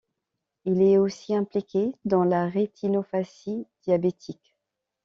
Il est aussi impliqué dans la rétinopathie diabétique.